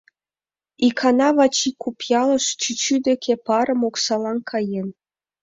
Икана Вачи Купъялыш чӱчӱж деке парым оксалан каен.